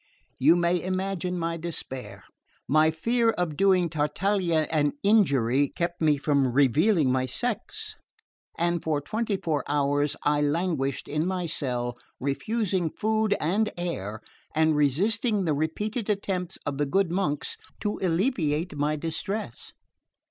You may imagine my despair. My fear of doing Tartaglia an injury kept me from revealing my sex, and for twenty four hours I languished in my cell, refusing food and air, and resisting the repeated attempts of the good monks to alleviate my distress.